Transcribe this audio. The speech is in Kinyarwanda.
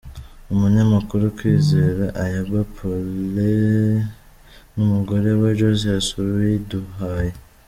Umunyamakuru Kwizera Ayabba Paulin n’umugore we Josiane Uwiduhaye.